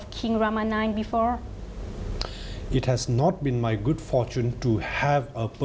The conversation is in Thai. คุณเคยมีชีวิตสำหรับคุณรัมนัยไหม